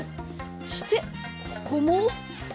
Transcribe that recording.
そしてここも。